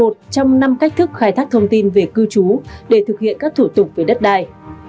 trong năm cách thức khai thác thông tin về cư trú để thực hiện các thủ tục về đất đai